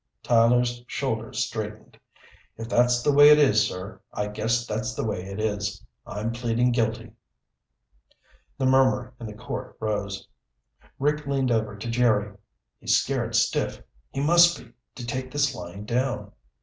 Tyler's shoulders straightened. "If that's the way it is, sir, I guess that's the way it is. I'm pleading guilty." The murmur in the court rose. Rick leaned over to Jerry. "He's scared stiff. He must be, to take this lying down."